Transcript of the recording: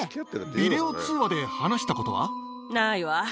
ビデオ通話で話したことは？ないわ。